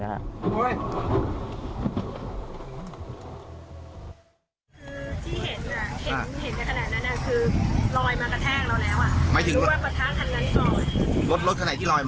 เขาพุ่งมาชนขันแดงใช่ไหม